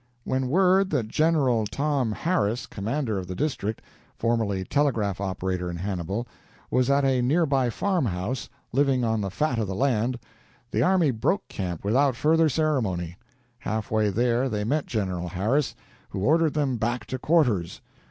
When word that "General" Tom Harris, commander of the district formerly telegraph operator in Hannibal was at a near by farm house, living on the fat of the land, the army broke camp without further ceremony. Halfway there they met General Harris, who ordered them back to quarters.